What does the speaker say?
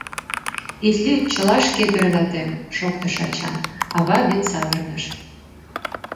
— Ит лӱд, чыла шке тӧрлатем, — шоктыш ача, ава век савырныш.